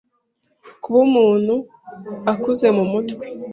Kuba umuntu akuze mu mutwe